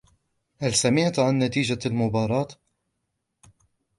هل سمعت عن نتيجة المباراة ؟